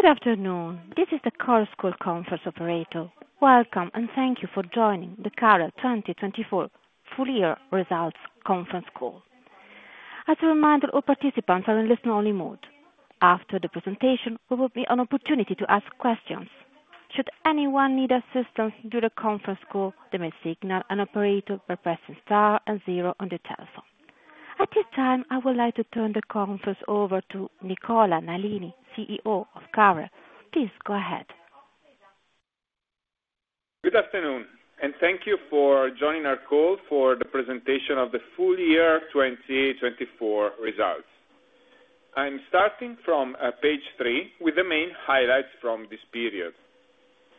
Good afternoon. This is the Chorus Call Conference operator. Welcome, and thank you for joining the Carel 2024 Full Year Results Conference Call. As a reminder, all participants are in listen-only mode. After the presentation, there will be an opportunity to ask questions. Should anyone need assistance during the conference call, they may signal an operator by pressing star and zero on their telephone. At this time, I would like to turn the conference over to Francesco Nalini, CEO of Carel. Please go ahead. Good afternoon, and thank you for joining our call for the presentation of the Full Year 2024 Results. I'm starting from page three with the main highlights from this period.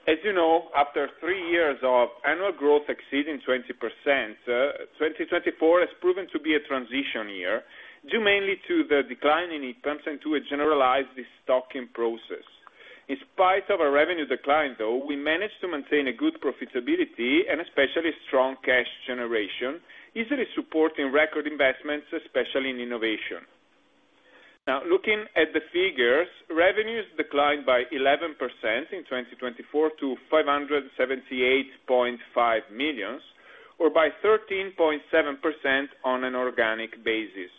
As you know, after three years of annual growth exceeding 20%, 2024 has proven to be a transition year, due mainly to the decline in heat pumps and to a generalized destocking process. In spite of a revenue decline, though, we managed to maintain a good profitability and especially strong cash generation, easily supporting record investments, especially in innovation. Now, looking at the figures, revenues declined by 11% in 2024 to 578.5 million or by 13.7% on an organic basis.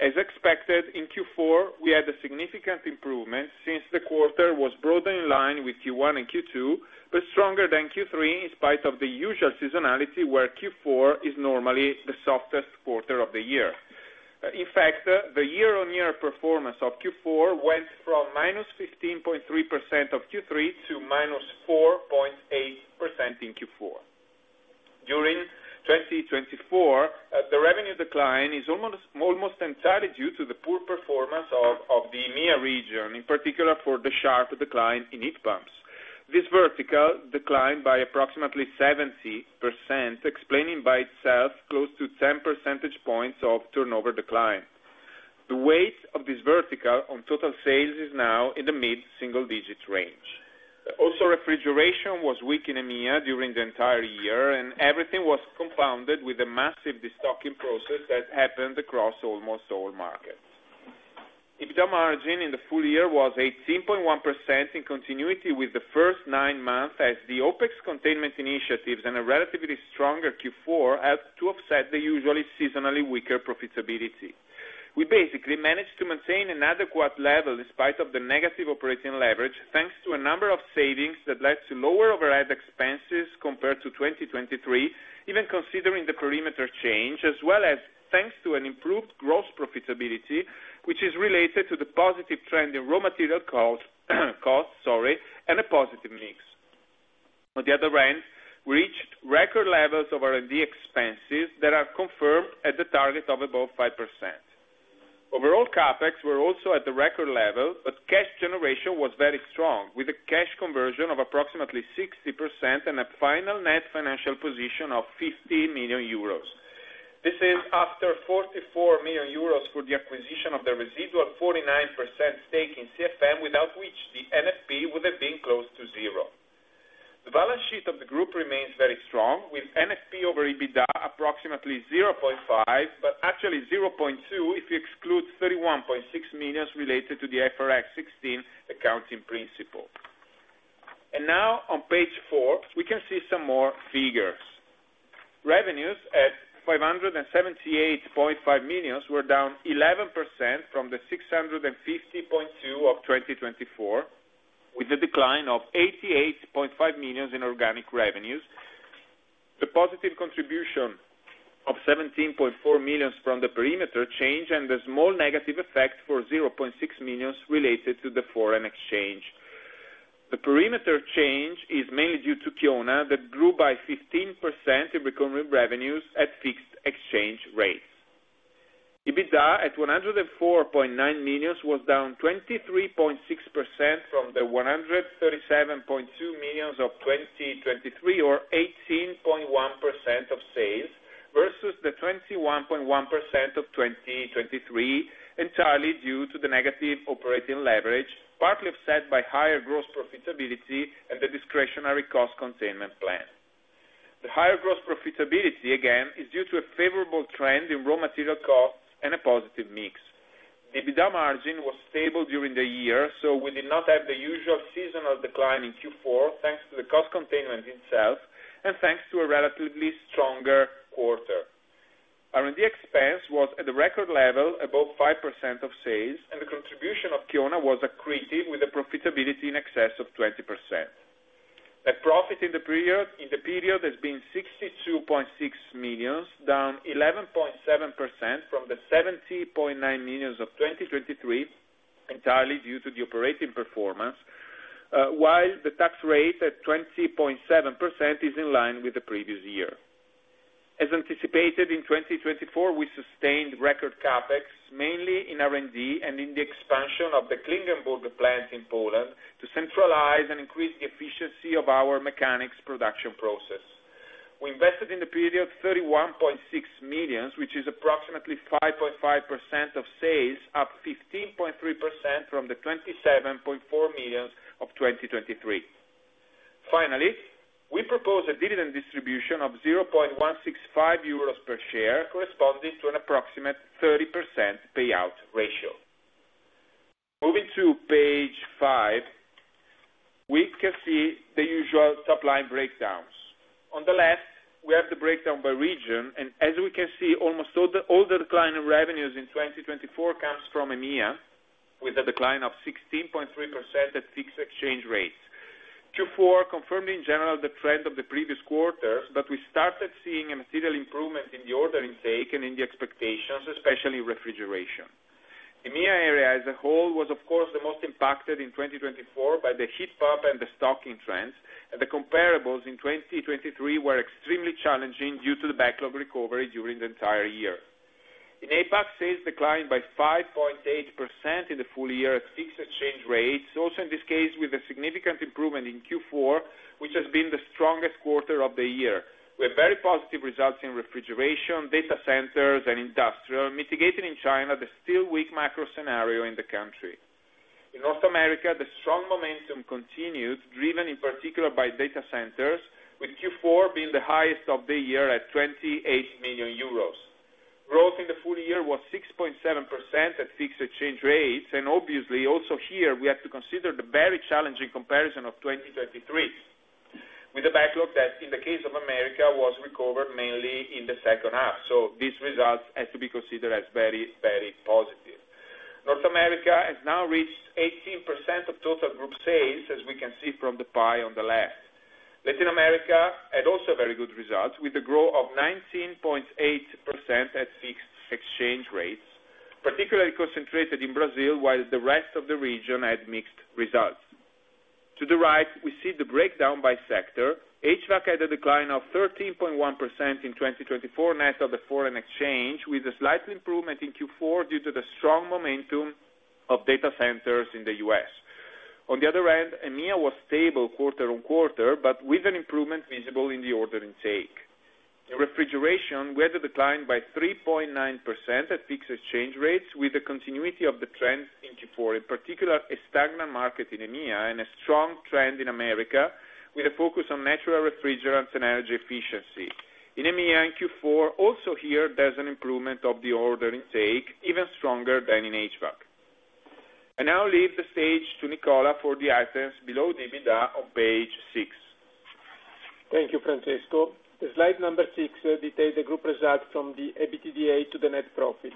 As expected, in Q4, we had a significant improvement since the quarter was broadened in line with Q1 and Q2, but stronger than Q3 in spite of the usual seasonality, where Q4 is normally the softest quarter of the year. In fact, the year-on-year performance of Q4 went from minus 15.3% of Q3 to minus 4.8% in Q4. During 2024, the revenue decline is almost entirely due to the poor performance of the EMEA region, in particular for the sharp decline in heat pumps. This vertical declined by approximately 70%, explaining by itself close to 10 percentage points of turnover decline. The weight of this vertical on total sales is now in the mid-single-digit range. Also, refrigeration was weak in EMEA during the entire year, and everything was compounded with a massive destocking process that happened across almost all markets. EBITDA margin in the full year was 18.1% in continuity with the first nine months, as the OPEX containment initiatives and a relatively stronger Q4 helped to offset the usually seasonally weaker profitability. We basically managed to maintain an adequate level in spite of the negative operating leverage, thanks to a number of savings that led to lower overhead expenses compared to 2023, even considering the perimeter change, as well as thanks to an improved gross profitability, which is related to the positive trend in raw material costs and a positive mix. On the other end, we reached record levels of R&D expenses that are confirmed at the target of above 5%. Overall, CapEx were also at the record level, but cash generation was very strong, with a cash conversion of approximately 60% and a final net financial position of 15 million euros. This is after 44 million euros for the acquisition of the residual 49% stake in CFM, without which the NFP would have been close to zero. The balance sheet of the group remains very strong, with NFP over EBITDA approximately 0.5, but actually 0.2 if you exclude 31.6 million related to the IFRS 16 accounting principle. Now, on page four, we can see some more figures. Revenues at 578.5 million were down 11% from the 650.2 million of 2023, with a decline of 88.5 million in organic revenues. The positive contribution of 17.4 million from the perimeter change and the small negative effect for 0.6 million related to the foreign exchange. The perimeter change is mainly due to Kiona that grew by 15% in recurring revenues at fixed exchange rates. EBITDA at 104.9 million was down 23.6% from the 137.2 million of 2023, or 18.1% of sales, versus the 21.1% of 2023, entirely due to the negative operating leverage, partly offset by higher gross profitability and the discretionary cost containment plan. The higher gross profitability, again, is due to a favorable trend in raw material costs and a positive mix. The EBITDA margin was stable during the year, so we did not have the usual seasonal decline in Q4, thanks to the cost containment itself and thanks to a relatively stronger quarter. R&D expense was at the record level, above 5% of sales, and the contribution of Kiona was accretive with a profitability in excess of 20%. The profit in the period has been 62.6 million, down 11.7% from the 70.9 million of 2023, entirely due to the operating performance, while the tax rate at 20.7% is in line with the previous year. As anticipated, in 2024, we sustained record CapEx, mainly in R&D and in the expansion of the Klingenburg plant in Poland to centralize and increase the efficiency of our mechanics production process. We invested in the period 31.6 million, which is approximately 5.5% of sales, up 15.3% from the 27.4 million of 2023. Finally, we propose a dividend distribution of 0.165 euros per share, corresponding to an approximate 30% payout ratio. Moving to page five, we can see the usual top-line breakdowns. On the left, we have the breakdown by region, and as we can see, almost all the decline in revenues in 2024 comes from EMEA, with a decline of 16.3% at fixed exchange rates. Q4 confirmed, in general, the trend of the previous quarters, but we started seeing a material improvement in the order intake and in the expectations, especially in refrigeration. The EMEA area as a whole was, of course, the most impacted in 2024 by the heat pump and the stocking trends, and the comparables in 2023 were extremely challenging due to the backlog recovery during the entire year. In APAC, sales declined by 5.8% in the full year at fixed exchange rates, also in this case with a significant improvement in Q4, which has been the strongest quarter of the year. We have very positive results in refrigeration, data centers, and industrial, mitigating in China the still weak macro scenario in the country. In North America, the strong momentum continued, driven in particular by data centers, with Q4 being the highest of the year at 28 million euros. Growth in the full year was 6.7% at fixed exchange rates, and obviously, also here, we have to consider the very challenging comparison of 2023, with the backlog that, in the case of America, was recovered mainly in the second half. These results have to be considered as very, very positive. North America has now reached 18% of total group sales, as we can see from the pie on the left. Latin America had also very good results, with a growth of 19.8% at fixed exchange rates, particularly concentrated in Brazil, while the rest of the region had mixed results. To the right, we see the breakdown by sector. HVAC had a decline of 13.1% in 2024 net of the foreign exchange, with a slight improvement in Q4 due to the strong momentum of data centers in the U.S. On the other end, EMEA was stable quarter on quarter, but with an improvement visible in the order intake. In refrigeration, we had a decline by 3.9% at fixed exchange rates, with the continuity of the trend in Q4, in particular a stagnant market in EMEA and a strong trend in America, with a focus on natural refrigerants and energy efficiency. In EMEA and Q4, also here, there's an improvement of the order intake, even stronger than in HVAC. I now leave the stage to Nicola for the items below the EBITDA on page six. Thank you, Francesco. Slide number six details the group result from the EBITDA to the net profit.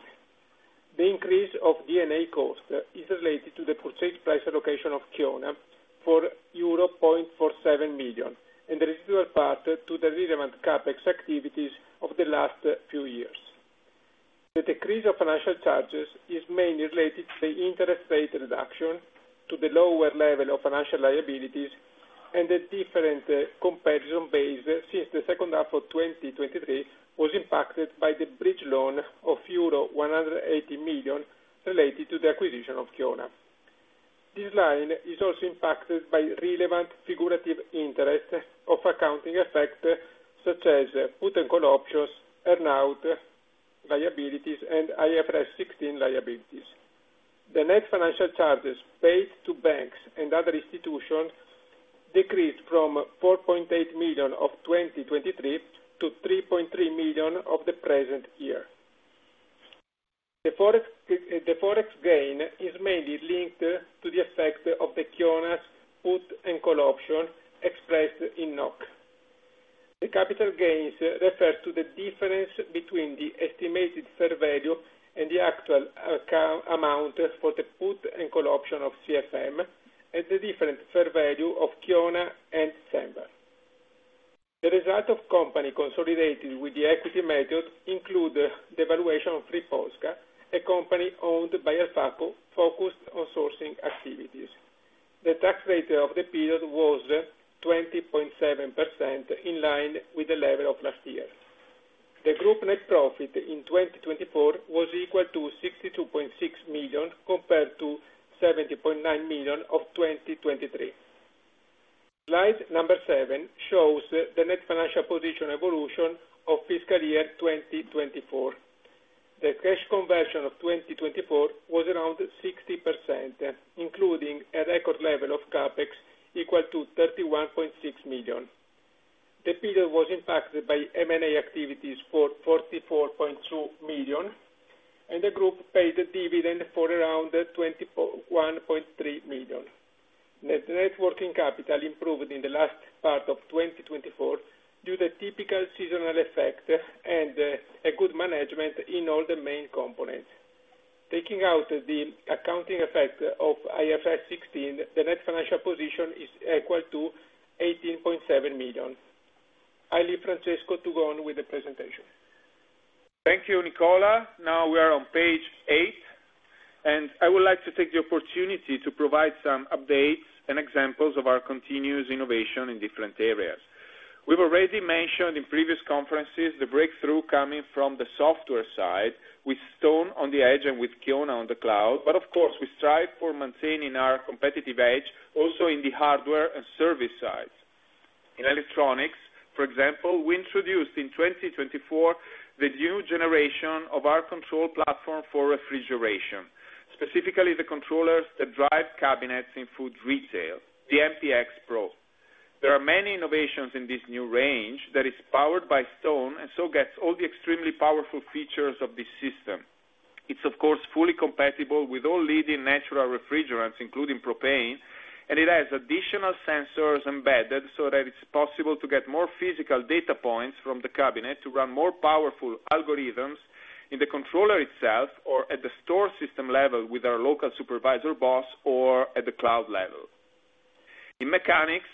The increase of D&A cost is related to the purchase price allocation of Kiona for euro 1.47 million, and the residual part to the relevant CapEx activities of the last few years. The decrease of financial charges is mainly related to the interest rate reduction, to the lower level of financial liabilities, and the different comparison base since the second half of 2023 was impacted by the bridge loan of euro 180 million related to the acquisition of Kiona. This line is also impacted by relevant figurative interest of accounting effect, such as put and call options, earn-out liabilities, and IFRS 16 liabilities. The net financial charges paid to banks and other institutions decreased from 4.8 million of 2023 to 3.3 million of the present year. The forex gain is mainly linked to the effect of the Kiona's put and call option expressed in NOK. The capital gains refer to the difference between the estimated fair value and the actual amount for the put and call option of CFM and the different fair value of Kiona and Senva. The result of companies consolidated with the equity method includes the valuation of Ri.Pos.Ca a company owned by Alipaco, focused on sourcing activities. The tax rate of the period was 20.7%, in line with the level of last year. The group net profit in 2024 was equal to 62.6 million compared to 70.9 million of 2023. Slide number seven shows the net financial position evolution of fiscal year 2024. The cash conversion of 2024 was around 60%, including a record level of CapEx equal to 31.6 million. The period was impacted by M&A activities for 44.2 million, and the group paid a dividend for around 21.3 million. Net working capital improved in the last part of 2024 due to typical seasonal effect and a good management in all the main components. Taking out the accounting effect of IFRS 16, the net financial position is equal to 18.7 million. I leave Francesco to go on with the presentation. Thank you, Nicola. Now we are on page eight, and I would like to take the opportunity to provide some updates and examples of our continuous innovation in different areas. We've already mentioned in previous conferences the breakthrough coming from the software side, with STone on the edge and with Kiona on the cloud, but of course, we strive for maintaining our competitive edge also in the hardware and service side. In electronics, for example, we introduced in 2024 the new generation of our control platform for refrigeration, specifically the controllers that drive cabinets in food retail, the MPXPRO. There are many innovations in this new range that is powered by STone and so gets all the extremely powerful features of this system. It's, of course, fully compatible with all leading natural refrigerants, including propane, and it has additional sensors embedded so that it's possible to get more physical data points from the cabinet to run more powerful algorithms in the controller itself or at the store system level with our local supervisor BOSS or at the cloud level. In mechanics,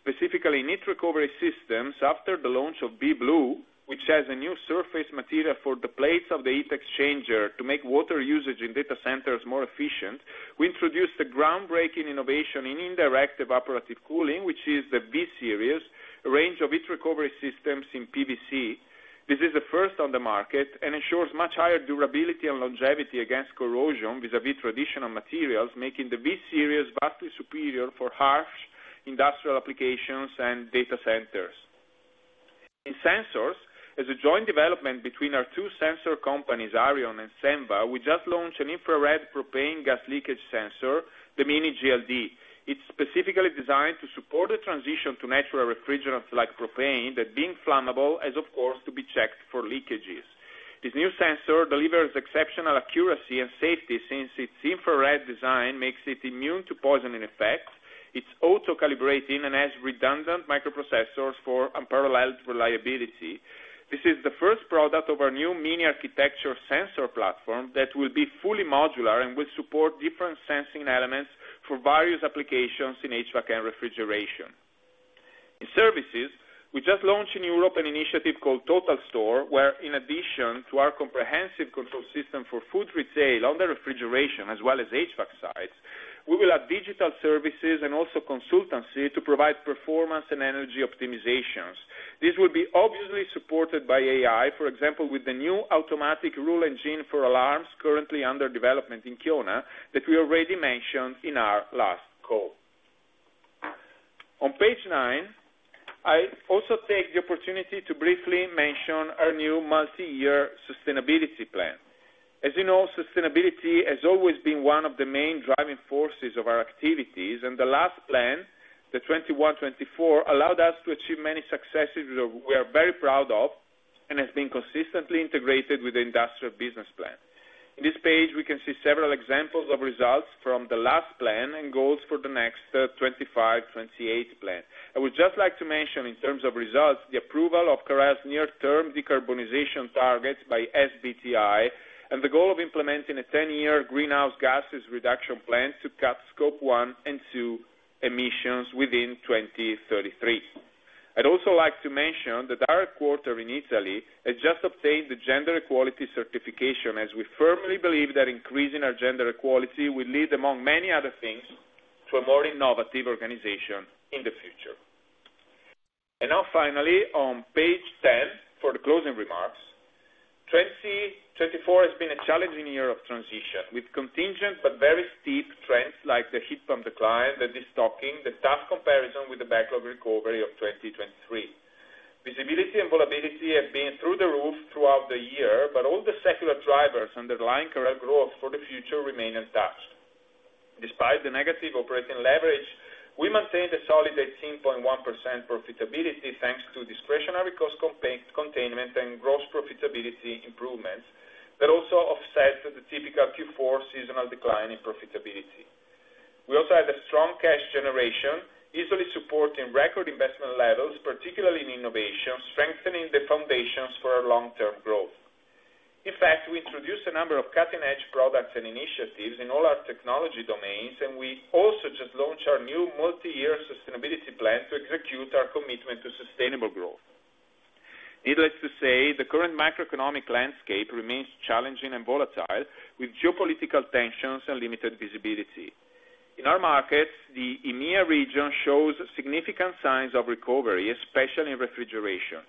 specifically in heat recovery systems, after the launch of B.blue, which has a new surface material for the plates of the heat exchanger to make water usage in data centers more efficient, we introduced a groundbreaking innovation in indirect evaporative cooling, which is the V-Series, a range of heat recovery systems in PVC. This is the first on the market and ensures much higher durability and longevity against corrosion vis-à-vis traditional materials, making the V-Series vastly superior for harsh industrial applications and data centers. In sensors, as a joint development between our two sensor companies, Arion and Senva, we just launched an infrared propane gas leakage sensor, the MiniGLD. It's specifically designed to support the transition to natural refrigerants like propane that, being flammable, has, of course, to be checked for leakages. This new sensor delivers exceptional accuracy and safety since its infrared design makes it immune to poisoning effects. It's auto-calibrating and has redundant microprocessors for unparalleled reliability. This is the first product of our new mini-architecture sensor platform that will be fully modular and will support different sensing elements for various applications in HVAC and refrigeration. In services, we just launched in Europe an initiative called Total Store, where, in addition to our comprehensive control system for food retail under refrigeration, as well as HVAC sites, we will have digital services and also consultancy to provide performance and energy optimizations. These will be obviously supported by AI, for example, with the new automatic rule engine for alarms currently under development in Kiona that we already mentioned in our last call. On page nine, I also take the opportunity to briefly mention our new multi-year sustainability plan. As you know, sustainability has always been one of the main driving forces of our activities, and the last plan, the 2021-2024, allowed us to achieve many successes we are very proud of and have been consistently integrated with the industrial business plan. In this page, we can see several examples of results from the last plan and goals for the next 2025-2028 plan. I would just like to mention, in terms of results, the approval of Carel's near-term decarbonization targets by SBTi and the goal of implementing a 10-year greenhouse gases reduction plan to cut scope one and two emissions within 2033. I'd also like to mention that our quarter in Italy has just obtained the gender equality certification, as we firmly believe that increasing our gender equality will lead, among many other things, to a more innovative organization in the future. Now, finally, on page 10, for the closing remarks, 2024 has been a challenging year of transition, with contingent but very steep trends like the heat pump decline tha destocking, the tough comparison with the backlog recovery of 2023. Visibility and volatility have been through the roof throughout the year, but all the secular drivers underlying Carel Industries growth for the future remain untouched. Despite the negative operating leverage, we maintained a solid 18.1% profitability, thanks to discretionary cost containment and gross profitability improvements that also offset the typical Q4 seasonal decline in profitability. We also had a strong cash generation, easily supporting record investment levels, particularly in innovation, strengthening the foundations for our long-term growth. In fact, we introduced a number of cutting-edge products and initiatives in all our technology domains, and we also just launched our new multi-year sustainability plan to execute our commitment to sustainable growth. Needless to say, the current macroeconomic landscape remains challenging and volatile, with geopolitical tensions and limited visibility. In our markets, the EMEA region shows significant signs of recovery, especially in refrigeration.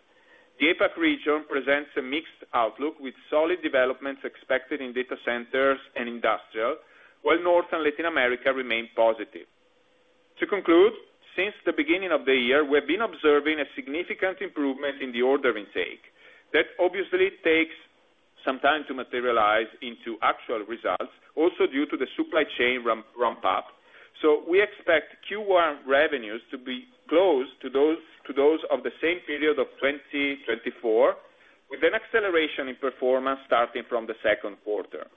The APAC region presents a mixed outlook, with solid developments expected in data centers and industrial, while North and Latin America remain positive. To conclude, since the beginning of the year, we have been observing a significant improvement in the order intake. That obviously takes some time to materialize into actual results, also due to the supply chain ramp-up. We expect Q1 revenues to be close to those of the same period of 2024, with an acceleration in performance starting from the second quarter.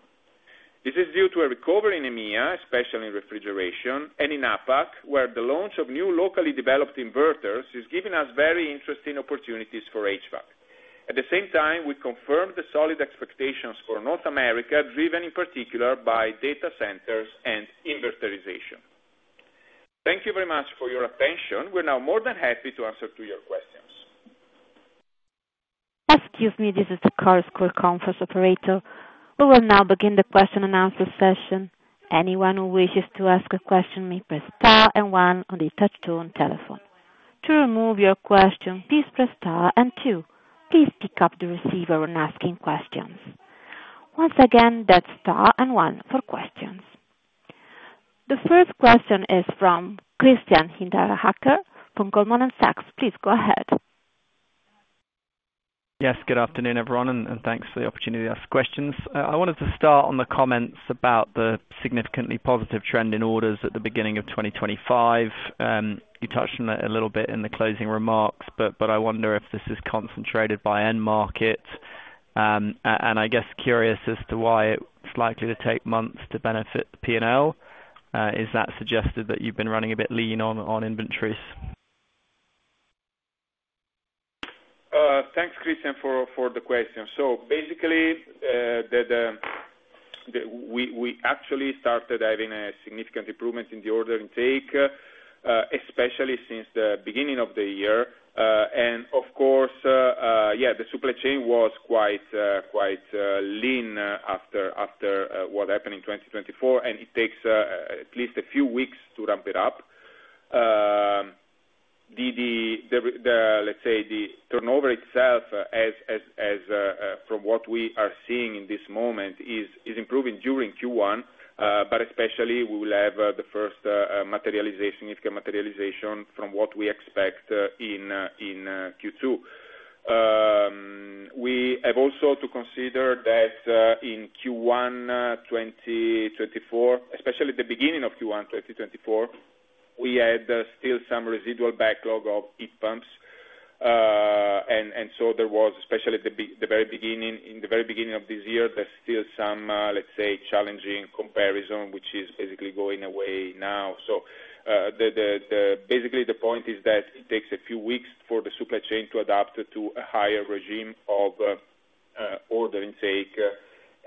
This is due to a recovery in EMEA, especially in refrigeration, and in APAC, where the launch of new locally developed inverters is giving us very interesting opportunities for HVAC. At the same time, we confirmed the solid expectations for North America, driven in particular by data centers and inverterization. Thank you very much for your attention. We're now more than happy to answer your questions. Excuse me, this is the Chorus Call conference operator. We will now begin the question and answer session. Anyone who wishes to ask a question may press star and one on the touch-tone telephone. To remove your question, please press star and two. Please pick up the receiver when asking questions. Once again, that's star and one for questions. The first question is from Christian Hinterhacker from Goldman Sachs. Please go ahead. Yes, good afternoon, everyone, and thanks for the opportunity to ask questions. I wanted to start on the comments about the significantly positive trend in orders at the beginning of 2025. You touched on it a little bit in the closing remarks, but I wonder if this is concentrated by end market. I guess curious as to why it's likely to take months to benefit P&L. Is that suggested that you've been running a bit lean on inventories? Thanks, Christian, for the question. Basically, we actually started having a significant improvement in the order intake, especially since the beginning of the year. Of course, the supply chain was quite lean after what happened in 2024, and it takes at least a few weeks to ramp it up. Let's say the turnover itself, from what we are seeing in this moment, is improving during Q1, but especially we will have the first significant materialization from what we expect in Q2. We have also to consider that in Q1 2024, especially the beginning of Q1 2024, we had still some residual backlog of heat pumps. There was, especially in the very beginning of this year, still some, let's say, challenging comparison, which is basically going away now. Basically, the point is that it takes a few weeks for the supply chain to adapt to a higher regime of order intake,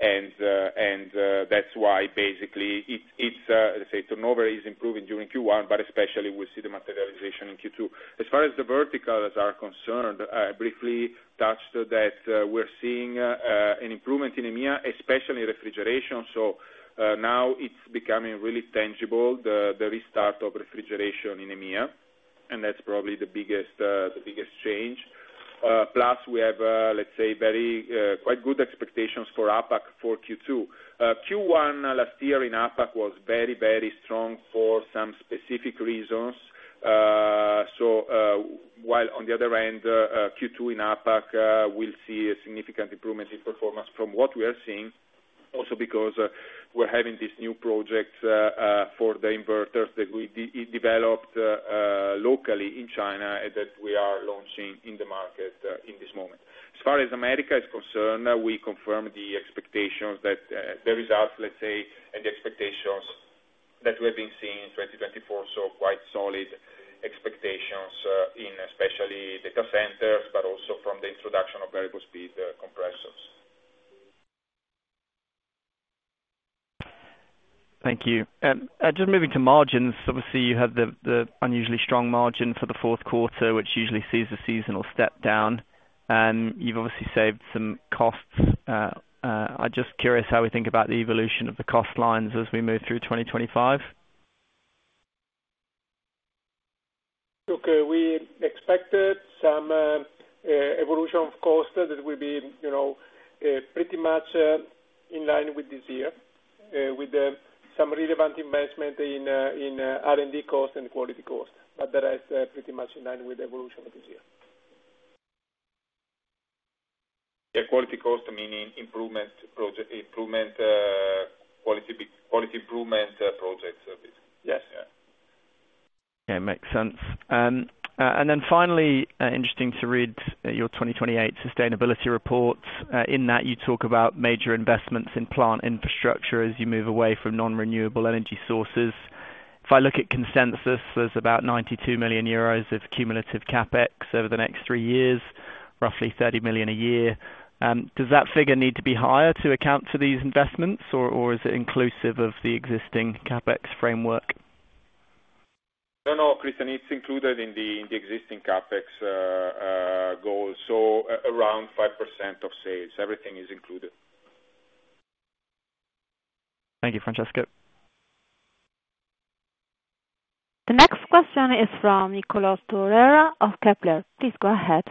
and that's why its turnover is improving during Q1, but especially we'll see the materialization in Q2. As far as the verticals are concerned, I briefly touched that we're seeing an improvement in EMEA, especially refrigeration. Now it's becoming really tangible, the restart of refrigeration in EMEA, and that's probably the biggest change. Plus, we have, let's say, quite good expectations for APAC for Q2. Q1 last year in APAC was very, very strong for some specific reasons. While on the other end, Q2 in APAC will see a significant improvement in performance from what we are seeing, also because we are having this new project for the inverters that we developed locally in China and that we are launching in the market in this moment. As far as America is concerned, we confirm the expectations that the results, let's say, and the expectations that we have been seeing in 2024, so quite solid expectations in especially data centers, but also from the introduction of variable speed compressors. Thank you. Just moving to margins, obviously you had the unusually strong margin for the fourth quarter, which usually sees a seasonal step down. You have obviously saved some costs. I am just curious how we think about the evolution of the cost lines as we move through 2025. Okay. We expected some evolution of costs that will be pretty much in line with this year, with some relevant investment in R&D costs and quality costs, but that is pretty much in line with the evolution of this year. Yeah, quality costs, meaning quality improvement projects. Yes. Okay, makes sense. Finally, interesting to read your 2028 sustainability report. In that, you talk about major investments in plant infrastructure as you move away from non-renewable energy sources. If I look at consensus, there is about 92 million euros of cumulative CapEx over the next three years, roughly 30 million a year. Does that figure need to be higher to account for these investments, or is it inclusive of the existing CapEx framework? No, no, Christian, it's included in the existing CapEx goals, so around 5% of sales. Everything is included. Thank you, Francesco. The next question is from Niccolò Storer of Kepler. Please go ahead.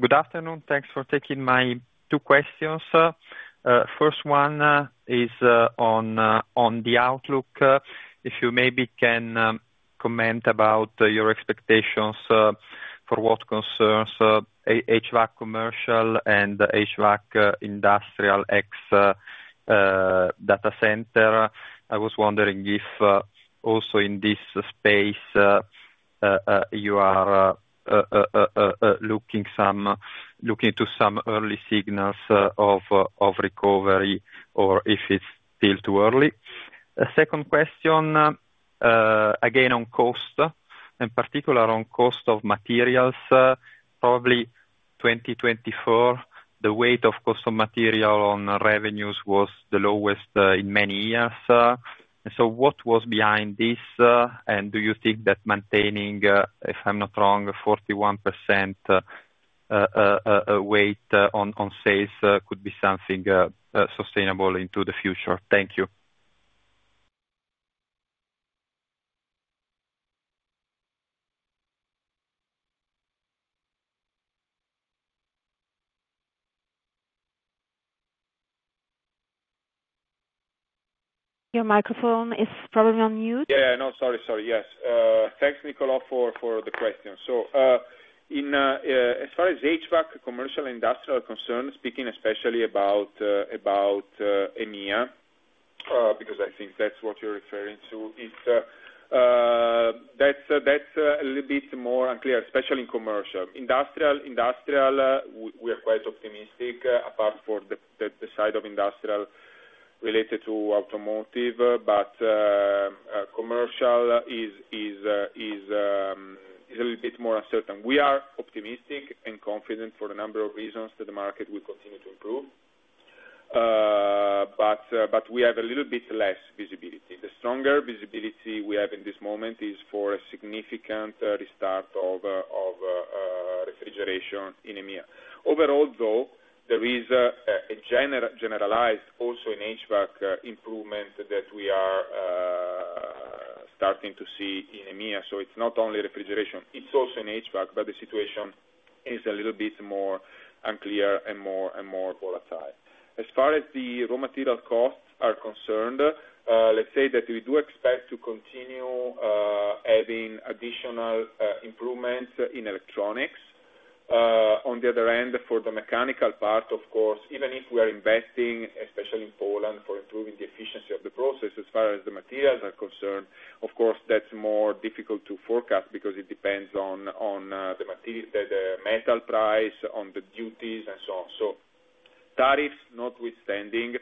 Good afternoon. Thanks for taking my two questions. First one is on the outlook. If you maybe can comment about your expectations for what concerns HVAC commercial and HVAC industrial X data center. I was wondering if also in this space you are looking to some early signals of recovery or if it's still too early. Second question, again on cost, in particular on cost of materials. Probably 2024, the weight of cost of material on revenues was the lowest in many years. So what was behind this, and do you think that maintaining, if I'm not wrong, 41% weight on sales could be something sustainable into the future? Thank you. Your microphone is probably on mute. Yeah, yeah, no, sorry, sorry. Yes. Thanks, Niccolò, for the question. As far as HVAC commercial industrial concerns, speaking especially about EMEA, because I think that's what you're referring to, that's a little bit more unclear, especially in commercial. Industrial, industrial, we are quite optimistic, apart from the side of industrial related to automotive, but commercial is a little bit more uncertain. We are optimistic and confident for a number of reasons that the market will continue to improve, but we have a little bit less visibility. The stronger visibility we have in this moment is for a significant restart of refrigeration in EMEA. Overall, though, there is a generalized also in HVAC improvement that we are starting to see in EMEA. It is not only refrigeration, it is also in HVAC, but the situation is a little bit more unclear and more volatile. As far as the raw material costs are concerned, let's say that we do expect to continue having additional improvements in electronics. On the other end, for the mechanical part, of course, even if we are investing, especially in Poland, for improving the efficiency of the process, as far as the materials are concerned, of course, that's more difficult to forecast because it depends on the metal price, on the duties, and so on. Tariffs notwithstanding,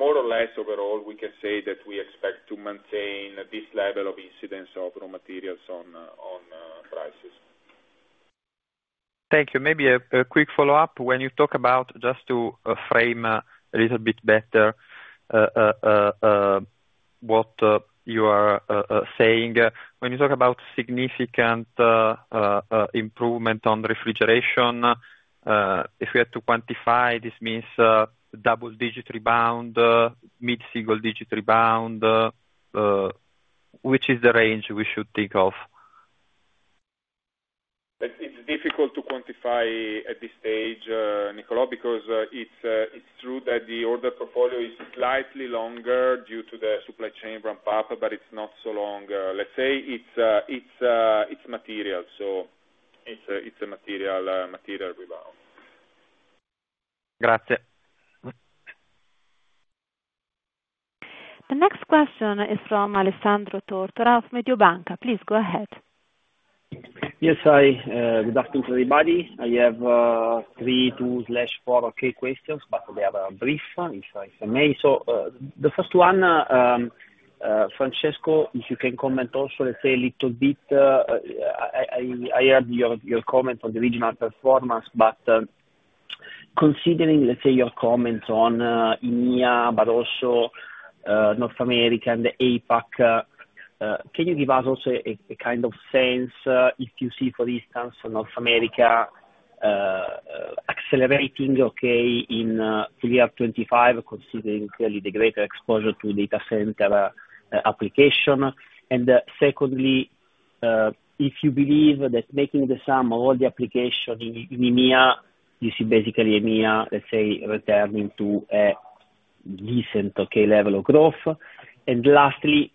more or less overall, we can say that we expect to maintain this level of incidence of raw materials on prices. Thank you. Maybe a quick follow-up. When you talk about, just to frame a little bit better what you are saying, when you talk about significant improvement on refrigeration, if we had to quantify, this means double-digit rebound, mid-single-digit rebound. Which is the range we should think of? It's difficult to quantify at this stage, Nicola, because it's true that the order portfolio is slightly longer due to the supply chain ramp-up, but it's not so long. Let's say it's material, so it's a material rebound. Grazie. The next question is from Alessandro Tortora of Mediobanca. Please go ahead. Yes, hi. Good afternoon to everybody. I have three to four questions, but they are brief, if I may. The first one, Francesco, if you can comment also, let's say, a little bit. I heard your comment on the regional performance, but considering, let's say, your comments on EMEA, but also North America and APAC, can you give us also a kind of sense if you see, for instance, North America accelerating in 2025, considering clearly the greater exposure to data center application? Secondly, if you believe that making the sum of all the application in EMEA, you see basically EMEA, let's say, returning to a decent level of growth. Lastly,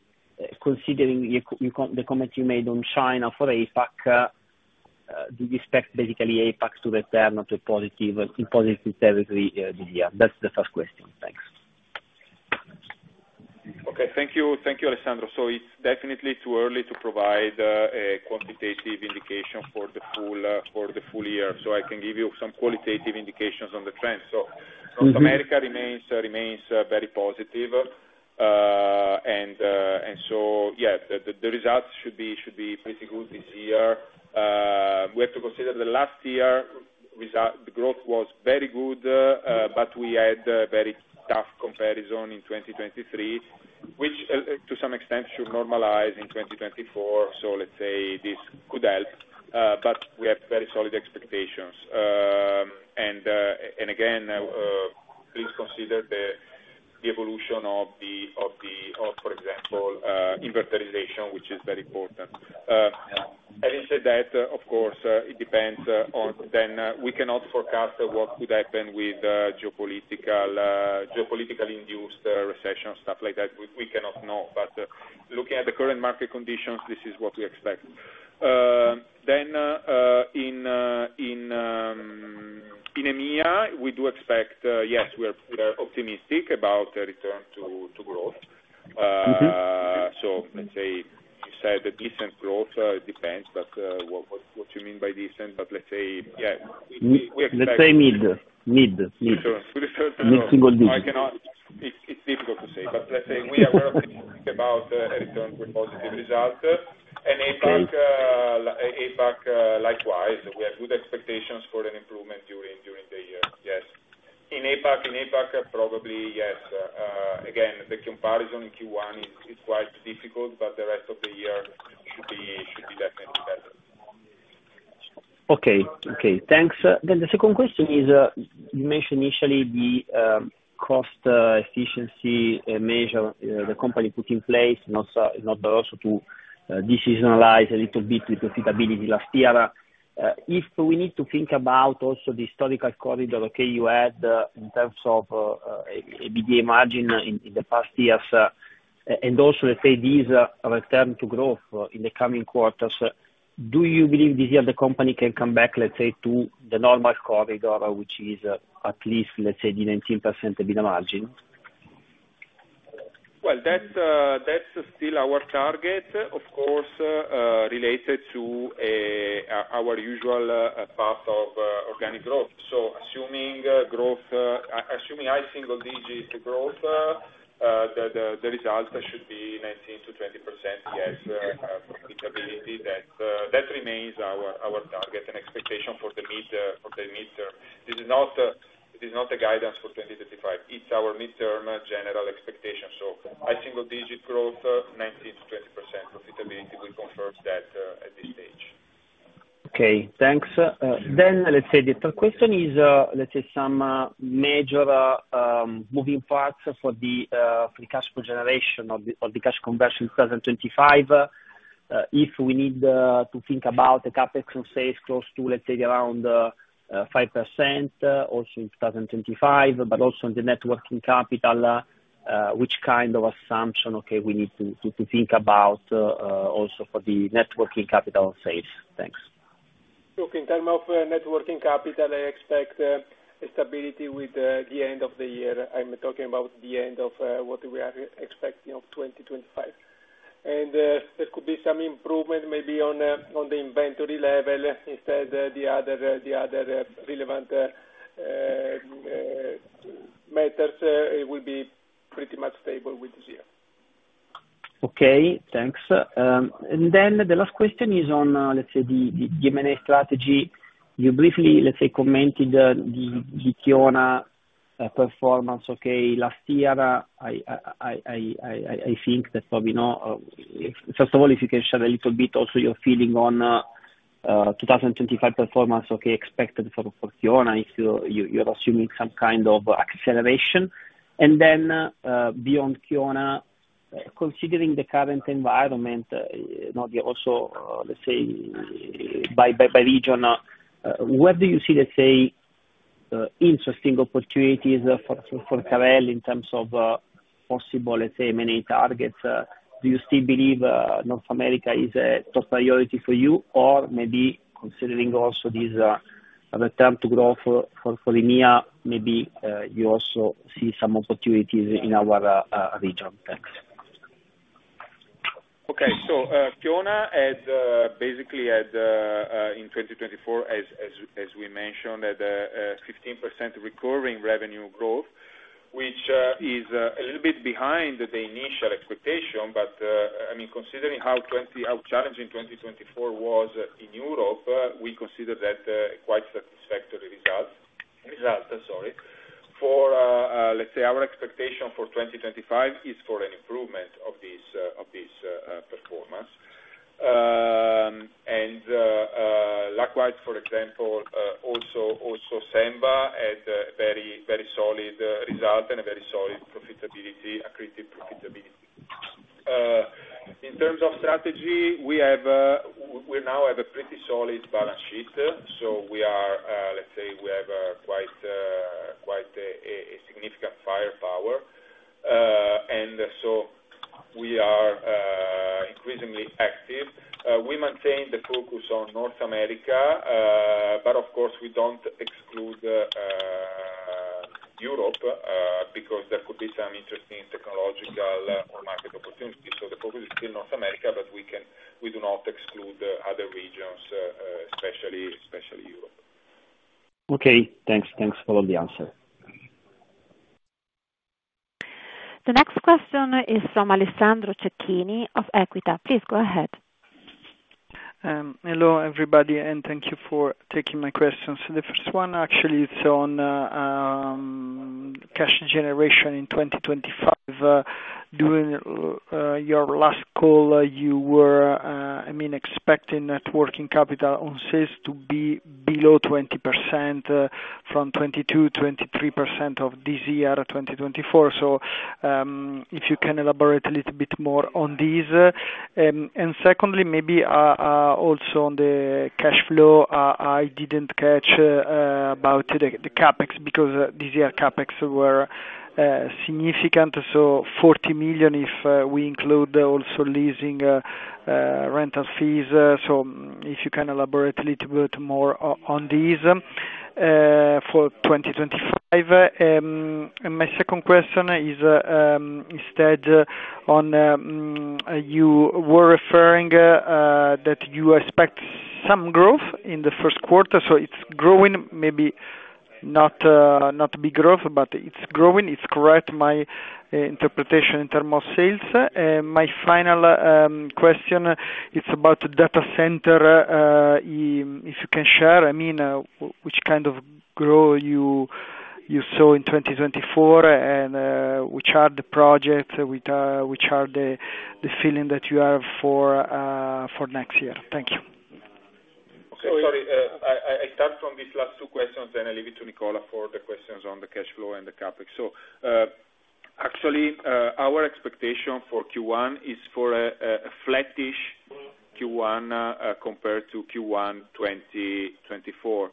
considering the comment you made on China for APAC, do you expect basically APAC to return to a positive territory this year? That's the first question. Thanks. Okay. Thank you, Alessandro. It is definitely too early to provide a quantitative indication for the full year. I can give you some qualitative indications on the trend. North America remains very positive. The results should be pretty good this year. We have to consider last year; the growth was very good, but we had a very tough comparison in 2023, which to some extent should normalize in 2024. This could help, but we have very solid expectations. Again, please consider the evolution of, for example, inverterization, which is very important. Having said that, of course, it depends on then we cannot forecast what could happen with geopolitical induced recession, stuff like that. We cannot know. Looking at the current market conditions, this is what we expect. In EMEA, we do expect, yes, we are optimistic about a return to growth. You said that decent growth, it depends, but what you mean by decent, but yeah, we expect. Let's say mid. Mid to mid. Mid to mid. Mid-single digits. It's difficult to say, but let's say we are optimistic about a return with positive results. In APAC, likewise, we have good expectations for an improvement during the year. Yes. In APAC, probably yes. Again, the comparison in Q1 is quite difficult, but the rest of the year should be definitely better. Okay. Okay. Thanks. The second question is, you mentioned initially the cost efficiency measure the company put in place, not also to de-seasonalize a little bit with profitability last year. If we need to think about also the historical corridor you had in terms of EBITDA margin in the past years, and also, let's say, this return to growth in the coming quarters, do you believe this year the company can come back, let's say, to the normal corridor, which is at least, let's say, the 19% EBITDA margin? That is still our target, of course, related to our usual path of organic growth. Assuming high single-digit growth, the result should be 19-20% profitability. That remains our target and expectation for the mid-term. This is not a guidance for 2025. It is our mid-term general expectation. High single-digit growth, 19-20% profitability will confirm that at this stage. Okay. Thanks. Let's say, the third question is, let's say, some major moving parts for the cash flow generation or the cash conversion in 2025. If we need to think about the CapEx on sales close to, let's say, around 5% also in 2025, but also on the networking capital, which kind of assumption, okay, we need to think about also for the networking capital on sales? Thanks. Look, in terms of networking capital, I expect stability with the end of the year. I'm talking about the end of what we are expecting of 2025. There could be some improvement maybe on the inventory level. Instead, the other relevant matters, it will be pretty much stable with this year. Okay. Thanks. The last question is on, let's say, the M&A strategy. You briefly, let's say, commented the Kiona performance, okay, last year. I think that probably first of all, if you can share a little bit also your feeling on 2025 performance, okay, expected for Kiona, if you're assuming some kind of acceleration. Beyond Kiona, considering the current environment, also let's say by region, where do you see, let's say, interesting opportunities for Carel in terms of possible, let's say, M&A targets? Do you still believe North America is a top priority for you, or maybe considering also this return to growth for EMEA, maybe you also see some opportunities in our region? Thanks. Okay. Kiona had basically had in 2024, as we mentioned, 15% recurring revenue growth, which is a little bit behind the initial expectation. I mean, considering how challenging 2024 was in Europe, we consider that quite satisfactory results. Results, sorry. For, let's say, our expectation for 2025 is for an improvement of this performance. Likewise, for example, also Senva had a very solid result and a very solid profitability, accredited profitability. In terms of strategy, we now have a pretty solid balance sheet. We have quite a significant firepower. We are increasingly active. We maintain the focus on North America, but of course, we do not exclude Europe because there could be some interesting technological or market opportunities. The focus is still North America, but we do not exclude other regions, especially Europe. Okay. Thanks. Thanks for all the answers. The next question is from Alessandro Cecchini of Equita. Please go ahead. Hello everybody, and thank you for taking my questions. The first one, actually, it's on cash generation in 2025. During your last call, you were, I mean, expecting net working capital on sales to be below 20% from 22-23% of this year, 2024. If you can elaborate a little bit more on these. Secondly, maybe also on the cash flow, I didn't catch about the CapEx because this year CapEx were significant, so 40 million if we include also leasing rental fees. If you can elaborate a little bit more on these for 2025. My second question is instead on you were referring that you expect some growth in the first quarter. It's growing, maybe not big growth, but it's growing. It's correct, my interpretation in terms of sales. My final question, it's about data center. If you can share, I mean, which kind of growth you saw in 2024 and which are the projects which are the feeling that you have for next year. Thank you. Okay. Sorry. I start from these last two questions, then I leave it to Nicola for the questions on the cash flow and the CapEx. Actually, our expectation for Q1 is for a flattish Q1 compared to Q1 2024,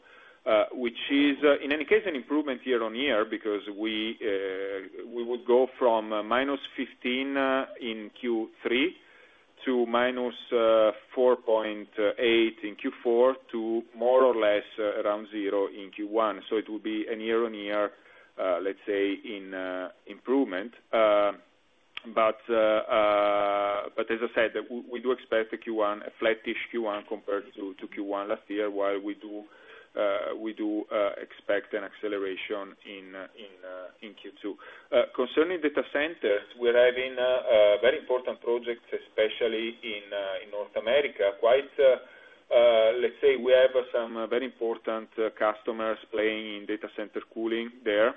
which is, in any case, an improvement year on year because we would go from minus 15 in Q3 to minus 4.8 in Q4 to more or less around zero in Q1. It would be a year on year, let's say, an improvement. As I said, we do expect a flattish Q1 compared to Q1 last year, while we do expect an acceleration in Q2. Concerning data centers, we're having very important projects, especially in North America. Quite, let's say, we have some very important customers playing in data center cooling there.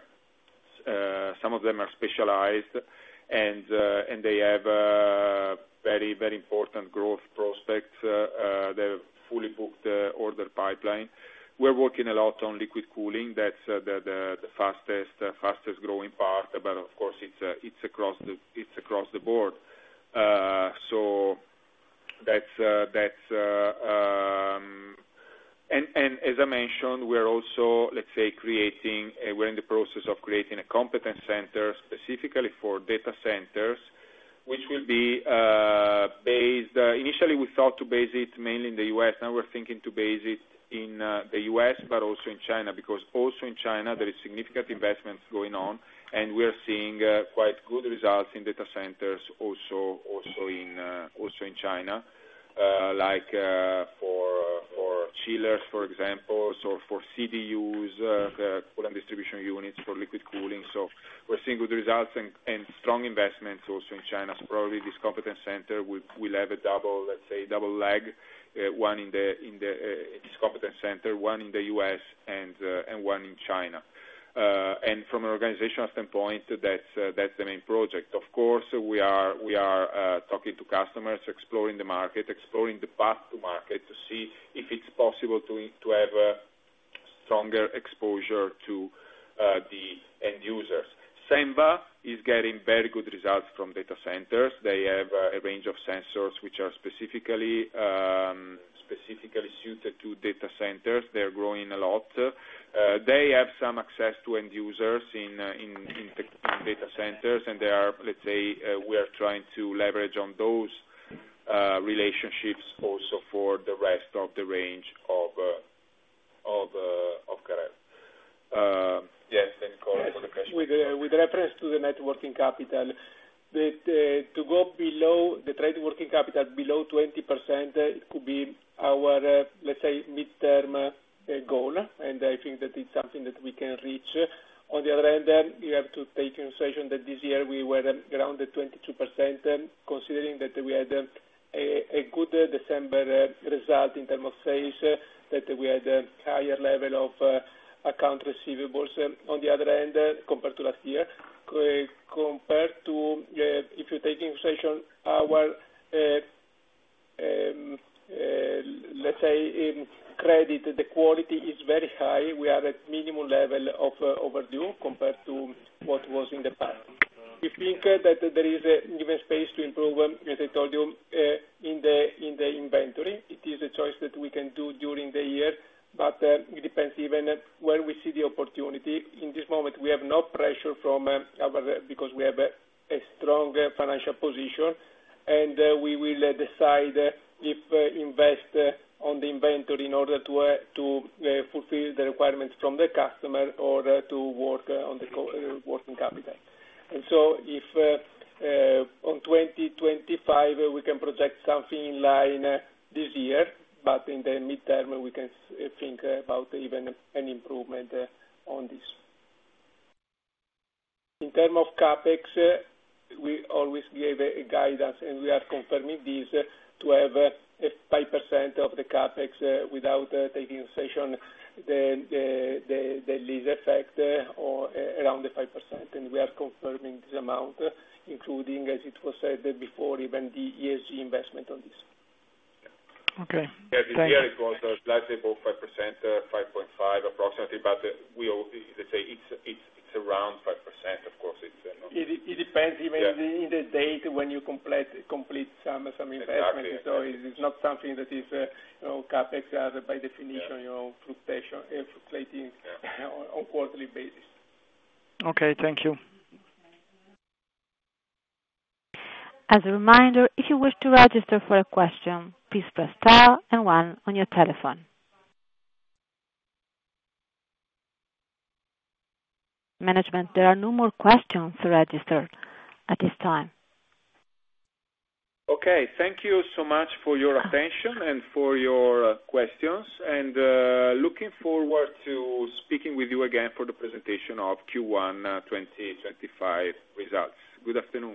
Some of them are specialized, and they have very, very important growth prospects. They have fully booked order pipeline. We're working a lot on liquid cooling. That's the fastest growing part, but of course, it's across the board. As I mentioned, we're also, let's say, creating, we're in the process of creating a competence center specifically for data centers, which will be based. Initially, we thought to base it mainly in the U.S. Now we're thinking to base it in the U.S., but also in China because also in China, there is significant investment going on, and we are seeing quite good results in data centers also in China, like for chillers, for example, or for CDUs, coolant distribution units for liquid cooling. We're seeing good results and strong investments also in China. Probably this competence center will have a double, let's say, double leg, one in this competence center, one in the U.S., and one in China. From an organizational standpoint, that's the main project. Of course, we are talking to customers, exploring the market, exploring the path to market to see if it's possible to have stronger exposure to the end users. Senva is getting very good results from data centers. They have a range of sensors which are specifically suited to data centers. They're growing a lot. They have some access to end users in data centers, and they are, let's say, we are trying to leverage on those relationships also for the rest of the range of Carel. Yes, Nicola, what was the question? With reference to the networking capital, to go below the networking capital, below 20%, it could be our, let's say, mid-term goal. I think that it's something that we can reach. On the other end, you have to take into consideration that this year we were grounded 22%, considering that we had a good December result in terms of sales, that we had a higher level of account receivables on the other end compared to last year. Compared to, if you're taking into consideration our, let's say, credit, the quality is very high. We are at minimum level of overdue compared to what was in the past. We think that there is even space to improve, as I told you, in the inventory. It is a choice that we can do during the year, but it depends even where we see the opportunity. In this moment, we have no pressure from our because we have a strong financial position, and we will decide if we invest on the inventory in order to fulfill the requirements from the customer or to work on the working capital. If on 2025, we can project something in line this year, but in the mid-term, we can think about even an improvement on this. In terms of CapEx, we always gave a guidance, and we are confirming this to have 5% of the CapEx without taking into consideration the lease effect or around the 5%. We are confirming this amount, including, as it was said before, even the ESG investment on this. Okay. Yeah. This year it was, like I said, about 5%, 5.5% approximately, but let's say it's around 5%. Of course, it's not. It depends even on the date when you complete some investment. It is not something that is CapEx, as by definition, fluctuating on a quarterly basis. Okay. Thank you. As a reminder, if you wish to register for a question, please press star and one on your telephone. Management, there are no more questions registered at this time. Okay. Thank you so much for your attention and for your questions, and looking forward to speaking with you again for the presentation of Q1 2025 results. Good afternoon.